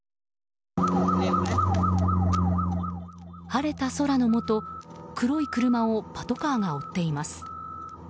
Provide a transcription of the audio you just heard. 晴れた空のもと黒い車をパトカーが追っています。